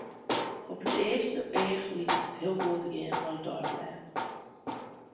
Op it earste each liket it heel goed te gean mei de deiblêden.